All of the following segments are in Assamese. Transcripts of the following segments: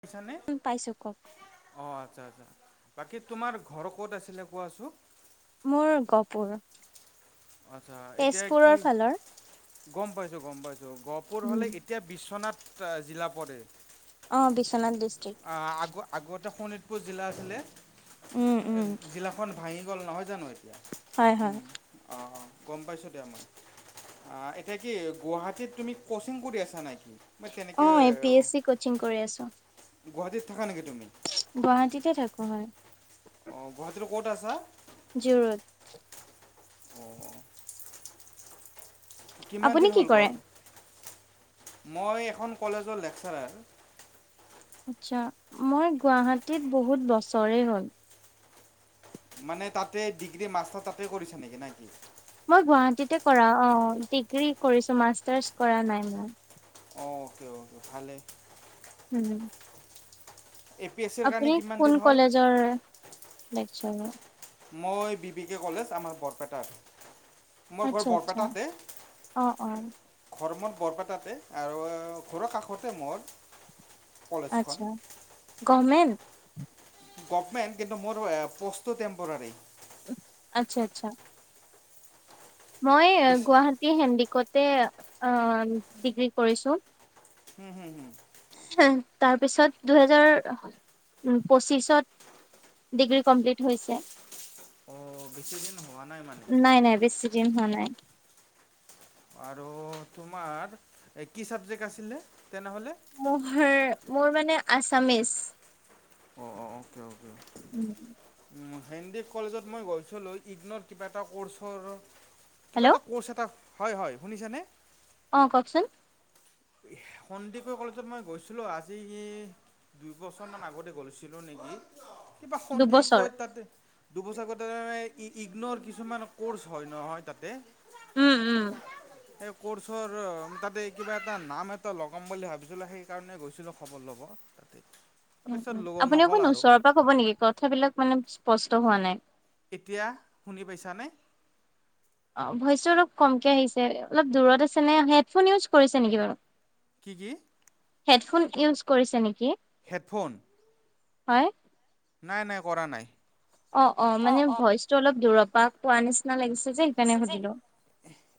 পছ নে পাইছো কওক অ [unintelligible] আচ্ছা আচ্ছা, বাকী তোমাৰ ঘৰ ক'ত আছিলে, কোৱাচোন? মোৰ গপুৰ। আত্ছা, এতিয়া কি, গম পাইছো গম্বাই [unintelligible] ত' গহপুৰ উম। হ'লে, এতিয়া বিশ্বনাথ জিলা পৰে অঁ বিশ্বনাথ ডিষ্ট্ৰিক্ট। এটা শোণিতপুৰ জিলা আছিলে উম উম জিলাখন ভাঙি গল, নহয় জানো এই? হয় হয় উম। অ গম পাইছোঁ দিয়া মই এতিয়া কি গুৱাহাটীত তুমি ক'চিং কৰি আছা নাই অ A P S C coaching কৰি আছো গুৱাহাটীত থাকা নেকি তুমি গুৱাহাটীতে থাকো হয় অ গুৱাহাটীৰ ক'ত আছা জিও ৰোড অ অ কিমান আপুনি দিন কি হ'ল কৰে ঘৰ মই এখন কলেজৰ লেকচাৰাৰ আচ্ছা মই গুৱাহাটীত বহুত বছৰেই হ'ল মানে তাতে ডিগ্ৰী মাষ্টাৰ তাতে কৰিছা নেকি, না কি মই গুৱাহাটীতে কৰা অ ডিগ্ৰী কৰিছো মাষ্টাৰ্চ কৰা নাই মই অ অকে অকে ভালে উম এ পি এছ চিৰ কাৰণে আপুনি কিমান দিন কোন হ'ল কলেজৰ? [inaudible] মই বি ভি কে কলেজ আমাৰ বৰপেটাৰ। আচ্ছা আচ্ছা অ অ। ঘৰ মোৰ বৰপেটাতে আৰু ঘৰৰ কাষতে মোৰ। কলেজখন আচ্ছা গহমেণ্ট? [inaudible] গভমেণ্ট কিন্তু মোৰ এ কোৰ্চটো টেম্পৰাৰী। আচ্ছা আচ্ছা। মই বেছি গুৱাহাটী হেন্দি গতে অ ডিগ্ৰী কৰিছো। উম হুম হুম। তাৰপিছত দুহেজাৰ পঁচিশত ডিগ্ৰী কমপ্লিট হৈছে। অ বেছি দিন হোৱা নাই মানে? নাই নাই বেছি দিন হোৱা নাই। আৰু তোমাৰ এ কি চাবজেক্ট আছিলে? তেনেহ'লে? মোৰ মোৰ মানে আছামিচ। অ' অ' অ' অএকে, অএকে। হেণ্ডি কলেজত মই গৈছিলোঁ, ইগনৰৰ কিবা এটা ক'ৰ্চৰ। হেল্ল' কিবা এটা কৰ্চ এটা হয়, হয় শুনিছানে? অ' কওঁকচোন সন্দিকৈ কলেজত মই গৈছিলোঁ, আজি দুইবছৰমান আগতে গৈছিলোঁ নেকি? কিবা দুবছৰ সন্ধিকৈয় তাতে দুবছৰ আগতে ইগ ইগনৰ কিছুমান ক'ৰ্চ হয় নহয় তাতে উম উম এই কৰ্চৰ, তাতে কিবা এটা নাম এটা লগাম বুলি ভাবিছিলো সেইকাৰণে গৈছিলো খবৰ ল'ব তাতে উম তাৰপিছত উম লগ আপুনি নহ'ল অকন আৰু ওচৰৰ পৰা কব নেকি কথাবিলাক মানে স্পষ্ট হোৱা নাই। এতিয়া, শুনি পাইছানে? অঁ ভইচো অলপ কমকে আহিছে অলপ দূৰত আছে নে হেডফোন ইউজ কৰিছে নেকি বাৰু? কি কি? হেডফোন ইউজ কৰিছে নেকি? হেডফোন হয় নাই নাই কৰা নাই। অ অ মানে ভইচ টো অলপ দূৰৱ পা কোৱা নিচিনা লাগিছে। যে সেইকাৰণে সুধিলো।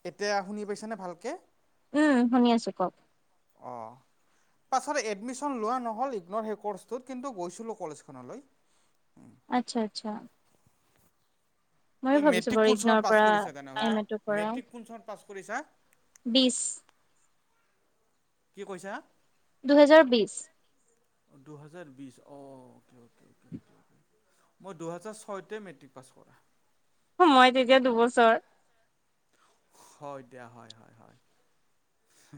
এতিয়া শুনি পাইছানে ভালকে? উম, শুনি আছো কওক। অঁ পাছত এডমিশ্চন লোৱা নহ'ল ইগন' সেই ক'ৰ্চটোত কিন্তু গৈছিলোঁ কলেজখনলৈ। আচ্ছা আচ্ছা। ময়ো তই ভাবিছো মেট্ৰিক বাৰু কোন ইগনৰ চনত পৰা পাছ কৰিছা এম তেনেহলে, এ টোৰ পৰা মেট্ৰিক কোন চনত পাছ কৰিছা? বিশ কি কৈছা? দুহেজাৰ বিশ। দুহাজাৰ বিশ অঁ, মই দুহাজাৰ ছয়তে মেট্ৰিক পাছ কৰা। মই তেতিয়া দুবছৰ। হয় দিয়া হয় হয় হয়।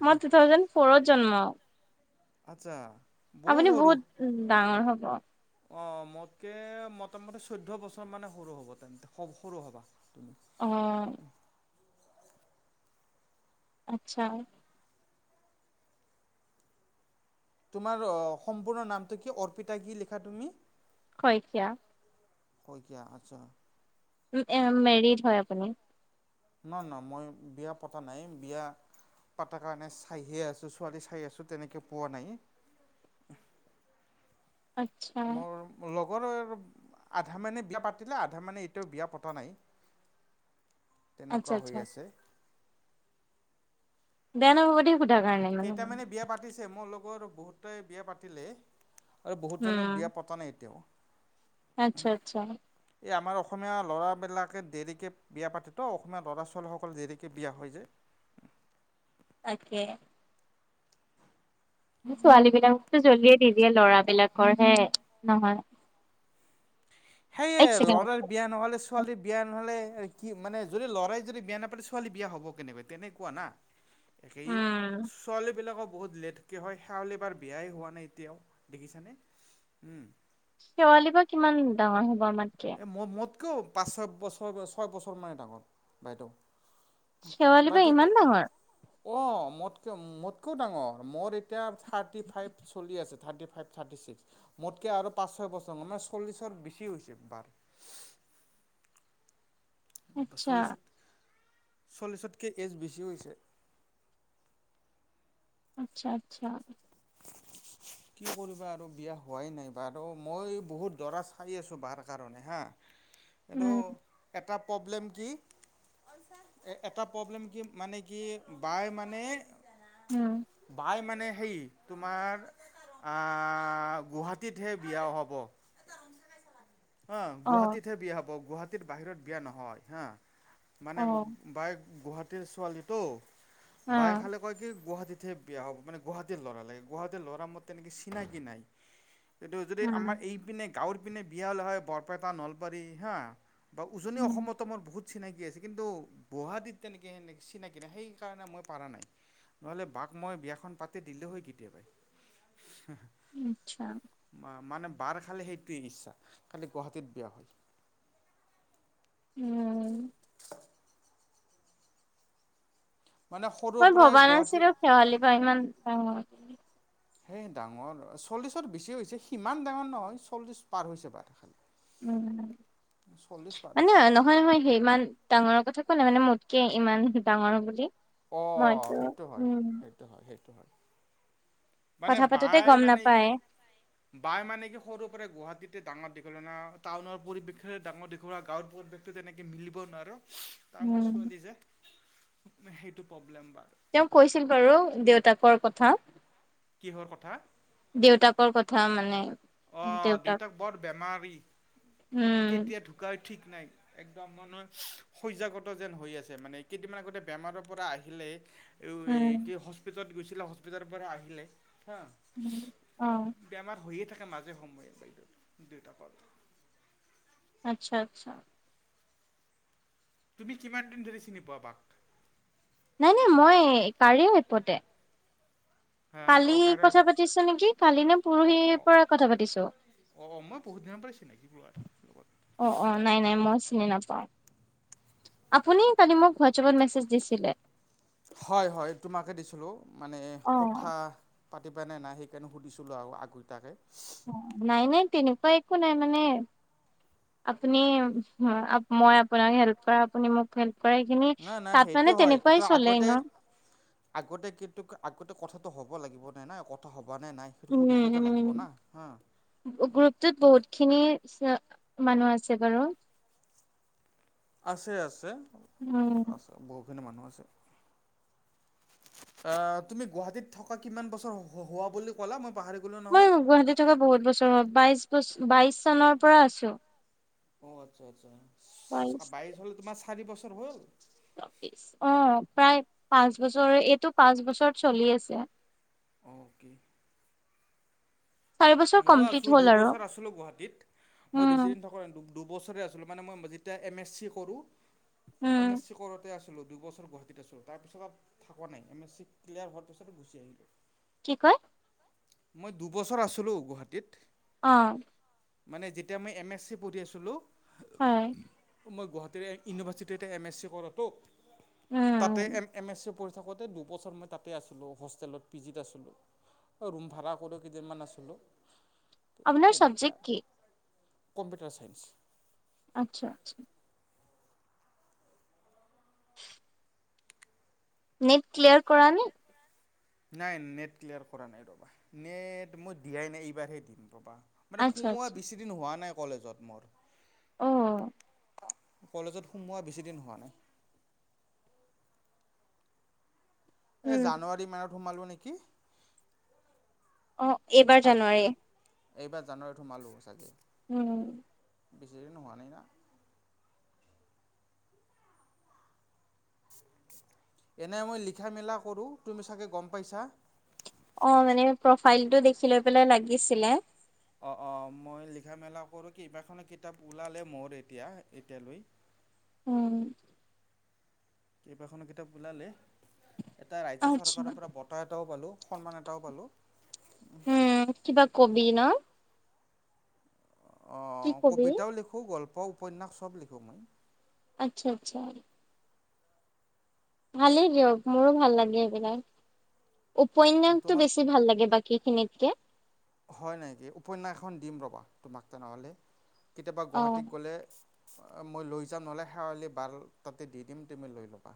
মই টু থাউজেণ্ড ফ'ৰত জন্ম। আত্ছা আপুনি বহুত ডাঙৰ হব। অঁ মোতকে মোটামুটি চৈধ্য বছৰ মানে সৰু হ'ব তেন্তে, অহ সৰু হবা। তুমি। আহ আচ্ছা তোমাৰ সম্পূৰ্ণ নামটো কি অৰ্পিতা কি লিখা তুমি? শইকীয়া। শইকীয়া আচ্ছা। উ মেৰিড হয় আপুনি। ন নহ মই বিয়া পতা নাই, বিয়া পাতা কাৰণে চাইহে আছো ছোৱালী চাই আছো তেনেকে পোৱা নাই। আচ্ছা। মোৰ লগ আগৰ আধা মানে বিয়া পাতিলে আধা মানে এতিয়াও বিয়া পতা নাই আচ্ছা তেনেকুৱা হৈ আচ্ছা আছে। দে নব দে উদাহ কাৰণে মানে কেইটামানে বিয়া পাতিছে মোৰ লগত বহুতাই বিয়া পাতিলে আৰু বহুতজনে বিয়া উম, পতা নাই এতিয়াও। আচ্ছা আচ্ছা এই আমাৰ অসমীয়া ল'ৰাবিলাকে দেৰিকে বিয়া পাতেতো অসমীয়া ল'ৰা ছোৱালীসকল দেৰিকৈ বিয়া হৈ যে। তাকে। ছোৱালী বিলাককতো জ্বলিয়ে দি দিয়ে লৰাবলাকৰ হে নহয়। সেইয়ে এক ছেকেণ্ড ল'ৰাৰ বিয়া নহলে ছোৱালীৰ বিয়া নহলে কি মানে যদি লৰাই যদি বিয়া নাপা ছোৱালী বিয়া হ'ব কেনেকুৱা তেনেকুৱা না। একেইে উম, ছোৱালীবিলাকক বহুত লেটকে হয় সেৱালি বাৰ বিয়াই হোৱা নাই এতিয়াও দেখিছানে উম। শেৱালি বা কিমান দাঙৰ হয়? হয় আমাত কে একো পাঁচ ছয়ছৰ ছয় বছৰ মানে ডাঙৰ বাইদেউ। শেৱালি বা বাইদেউ ইমান ডাঙৰ? অঁ মোতকৈ মোতকৈও ডাঙৰ মোৰ এতিয়া থাৰ্টি ফাইভ চলি আছে থাৰ্টি ফাইভ থাৰ্টি ছিক্স মোতকৈ আৰু পাঁচ ছয় বছৰমান মানে চল্লিছৰ বেছি হৈছে বাৰ। আচ্ছা। চল্লিছত চল্লিছতকৈ এজ বেছি হৈছে। আচ্ছা আচ্ছা। কি কৰিবা আৰু বিয়া হোৱাই নাই বাৰ মই বহুত দৰা চাই আছোঁ বাৰ কাৰণে হা কিন্তু উম একাপ প্ৰব্লেম কি এটা প্ৰব্লেম কি মানে কি বাই মানে উম বাই মানে হেই তোমাৰ গুৱাহাটীতহে বিয়া হ'ব অ গুৱাহাটতহে বিয়া হব গুৱাহাটী বাহিৰত বিয়া নহয় হা। মানে অ মোক বায় গুৱাহাটীৰ ছোৱালীটো অ বাইে খালে কয় কি গুৱাহাটীত তে বিয়া হ'ব মানে গুৱাহাটীৰ লৰা লাগে গুৱাহাটীৰ ল'ৰা মৰ তেনেকে চিনাকি নাই। কিন্তু যদি আমাৰ উম এইপিনে গাওঁৰ পিনে বি হ'লে হয় বৰপেটা নলবাৰী হা বা উজনি উম অসমতো মোৰ বহুত চিনাকি আছে কিন্তু গুৱাহাটীত তেনেকে সেনে চিনাকি নাই সেই কাৰণে মই পাৰা নাই নহলে বাক মই বিয়াখন পাতি দিলে হৈ কেতিয়া বাই। আচ্ছা মানে বাৰ খালে সেইটোৱেই ইচ্ছা। কালি গুৱাহাটীত বিয়া হয় উম মানে সৰুৰ মই পৰাই ভৱা গুৱাহাটী নাছিলো সেৱালী বা ইমান সে ডাঙৰ চল্লিছত বেছি হৈছে সিমান ডাঙৰ নহয় চল্লিশ পাৰ হৈছে বাৰ খালি উ চল্লিছ পাৰ মানে হৈছে নহয় নহয় সেই ইমান ডাঙৰৰ কথা নাই মানে মোতকে ইমান ডাঙৰ বুলি অঁ মইটো সেইটো হয় উম সেইটো হয় সেইটো হয় মানে কথা পাতোতে বাই গম মানে নাপায় কি বাই মানে কি সৰুৰ পৰা গুৱাহাটীত য়া ডাঙৰ দিঘলনা টাউনৰ পৰিৱেশ ডাঙৰ দীঘলা গাঁৱৰ পৰিৱেশতো তেনেকে মিলিব নোৱাৰো তাৰ মা উম ছোৱালী যে সেইটো প্ৰব্লেম বা তেওঁ কৈছিল বাৰু দেউতাকৰ কথা কিহৰ কথা দেউতাকৰ কথা মানে অ দেউতাক বৰ বে বেমাৰি মানে উম কেতিয়া ঢুকাই ঠিক মে একদম মানুহ শ্যাগত যেন হৈ আছে মানে কেইদিনান আগতে বেমাৰৰ পৰা আহিলেই এই এই উম কি হস্পিটলত গৈছে হস্পিটাল পৰা আহিলে হা উম অ বেমাৰ হৈয়ে থাকে মাজে সময় দেউতাকৰ আচ্ছা আচ্ছা তুমি কিমান দিন ধৰি চিনি পোৱা বাক নাই নাই মই কাৰি এপতে হা কালি অ কথা কাৰবাৰ পাতিছো নেকি কালি নে অ পৰহিৰ অ পৰা কথা পাতিছো অ অ মই বহুত দিনৰ পৰাই চিনাকি লোৱাৰ লগত। অ অ নাই নাই মই চিনি নাপাওঁ আপুনি কালি মোক হোৱাটছাএপত মেছেজ দিছিলে হেল্ল' মানে অ কথা পাতিবা নে নাই সেইকাৰণে সুধিছিলো আৰু আগটিয়াকে নাই নাই তেনেকুৱা একো নাই মানে আপুনি মই আপোনাক হেল্প কৰা আপুনি মোক হেল্প কৰা এইখিনি নাই নাই তাত মানে সেইটো হয় তেনেকুৱাই কিন্তু চলে ন আগতে আগতে কিন্তু আগতে কথা হ'ব লাগিব নাই কথা হ' ভব নে নাই সেইটো উম সুধিবতো লাগিব উম না হ গ্ৰুপটোত বহুত খিনি মানুহ আছে বাৰু। আছে। আছে। উম সেইপিনে মানুহ আছে। এ তুমি গুৱাহাটীত থকা কিমান বছৰ হোৱা বুলি ক'লা মই পাহৰি গ মই গুৱাহাটীত থকা বহুত বছৰ হল। বাইশ বছৰ বাইশ চনৰ পৰা আছোঁ। অ আচ্ছা। আচ্ছা। বাইশ হলে তোমাৰ চাৰি বছৰ হ'ল? অ প্ৰায় পাঁচ বছৰে। এইটো পাঁচ বছৰত চলি আছে। অ'কে। চাৰি বছৰ মই কমপ্লিট আছো, হ'ল আৰু দুবছৰ আছিলো গুৱাহাটীত। মই উম বেছি দিন থকা নাই। দু দুবছৰে আছিলোঁ। মানে মই যেতিয়া এম এছ চি কৰোঁ উম এম এছ চি কৰোতে আছোঁ। -লো। দুইবছৰ গুৱাহাটীত আছো। তাৰ পিছত পৰা থকা নাই। এম এছ চি ক্লিয়াৰ হোৱাৰ পিছত গুছি আহিলো। কি কয়? মই দুবছৰ আছিলো। গুৱাহাটীত। অ মানে যেতিয়া মই এম এছ চি পঢ়ি আছিলো হয়। মই গুৱাহাটীৰে ইউনিভাৰ্চিটিতে এম এছ চি কৰোঁতো উম তাতে এম এম এছ চি প থাকোঁতে দুবছৰ মই তাতে আছিলোঁ হোষ্টেলত। পিজিত আছিলোঁ, ৰুম ভাড়া কৰিও কেইদিনমান আছিলোঁ। আপোনাৰ তেনেকৈ চাবজেক্ট আৰু কি? Computer science. আচ্ছা। আচ্ছা। [inaudible] নেট ক্লিয়াৰ কৰা নে? নাই। নেট ক্লিয়াৰ কৰা নাই। ৰবা, নেট মই দিয়াই নাই এইবাৰহে দিম ৰবা। মানে আচ্ছা সোমোৱা আচ্ছা বেছি দিন হোৱা নাই। কলেজত মোৰ! অ কলেজত সোমোৱা বেছিদিন হোৱা নাই। এই উম জানুৱাৰীমানত সোমালো নেকি কি? অ' এইবাৰ জানুৱাৰী? এইবাৰ জানুৱাৰীত সোমালো চাগে। উম বিচিদিন হোৱা নাই না। এনে মই লিখা মেলা কৰোঁ। তুমি চাগে গম পাইছা অ' মানে প্ৰফাইলটো দেখি লৈ পেলাই লাগিছিলে অ' অ' মই লিখা মেলা কৰো কেইবাখনো কিতাপ ওলালে মোৰ এতিয়া এতিয়ালৈ। উম কেইবাখনো কিতাপ ওলালে। এটা ৰাজ্য আচ্ছা চৰকাৰৰ পৰা বঁটা এটাও পালো। সন্মান এটাও পালোঁ। উম কিবা কবি ন। কি অ' কবি? কবিতাও লিখো গল্প উপ উপন্যাস চব লিখোঁ। আচ্ছা আচ্ছা। ভালেই দিয়ক, মোৰো ভাল লাগে সেইবিলাক। উপন্যাসটো তোমাৰ বেছি ভাল লাগে বাকীখিনিত কে হয় নেকি, উপন্যাসখন দিম ৰবা তোমাক তেনেহ'লে। কেতিয়াবা অ'। গুৱাহাটীত গ'লে মই লৈ যাম নহ'লে শেৱালি বাৰ তাতে দি দিম তুমি লৈ ল'বা।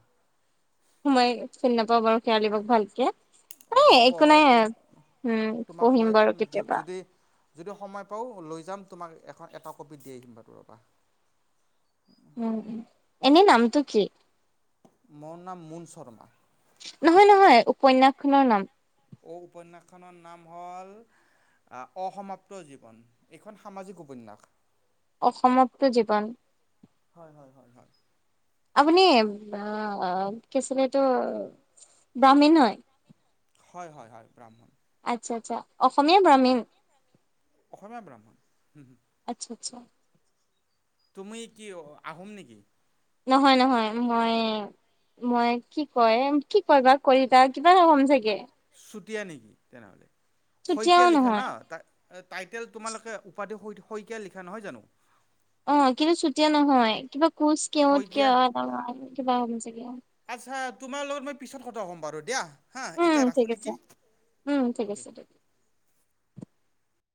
মই চিনি নাপাওঁ বাৰু শেৱালী বাক ভালকে। হ'ব একো নাই আৰু উম তোমাক মই পঢ়িম বাৰু কেতিয়াবা। যদি যদি সময় পাওঁ লৈ যাম, তোমাক এখন এটা কপি দি আহিম বাৰু এবাৰ। উম, এনেই নামটো কি? মোৰ নাম মুন শৰ্মা। নহয়-নহয় উপন্যাসখনৰ নাম। অ' উপন্যাসখনৰ নাম হ'ল, অসমাপ্ত জীৱন। এইখন সামাজিক উপন্যাস। অসমাপ্ত জীৱন। হয় হয়-হয়-হয়। আপুনি আ কি আছিলে এটো, ব্ৰাহ্মীণ হয়। হয় হয়- হয় ব্ৰাহ্মণ। আচ্ছা- আচ্ছা, অসমীয়া ব্ৰাহমিন। অসমীয়া ব্ৰাহ্মণ হম। আচ্ছা-আচ্ছা। তুমি কি আহোম নেকি? নহয়-নহয়, মই -মই কি কয় কি কয় বা কলিতা কিবা এটা এ হ'ম চাগে। চুটিয়া নেকি তেনেহ'লে। চুতীয়াও শইকীয়া লিখা ন নহয় টাইটেল তোমালোকে উপাধি শ শইকীয়া লিখা নহয় জানো। অ' কিন্তু চুতিয়া নহয়, কিবা কোচ কেওঁত শইকীয়া কিবা এটা, কিবা হ'ম চাগে। আচ্ছা তোমাৰ লগত মই পিছত কথা ক'ম বাৰু দিয়া। হা উম এতিয়া ঠিক ৰাখোঁ আছে, নেকি উম ঠিক অ'কে আছে দিয়ক।